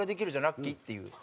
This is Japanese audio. ラッキー」っていう。